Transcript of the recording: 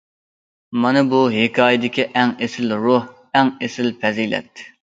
مانا بۇ ھېكايىدىكى ئەڭ ئېسىل روھ، ئەڭ ئېسىل پەزىلەت!